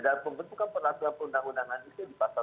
dan perlaksanaan undang undangan itu di pasal sembilan puluh enam